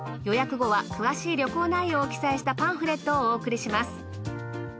予約後は詳しい旅行内容を記載したパンフレットをお送りします。